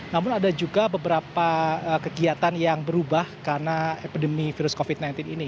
namun ada juga beberapa kegiatan yang berubah karena epidemi virus covid sembilan belas ini